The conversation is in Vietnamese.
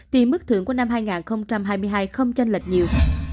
thì mức thưởng của năm hai nghìn hai mươi hai không tranh lệch nhiều